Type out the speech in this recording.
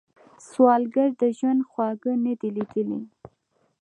سوالګر د ژوند خواږه نه دي ليدلي